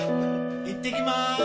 行ってきまーす！